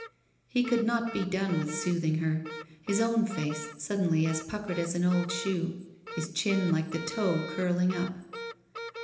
He cotdd not be done with soothing her, his own face suddenly as puckeied as an old ^oe, his chin like the toe curling up.